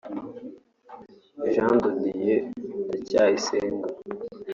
Jean de Dieu Ndacyayisenga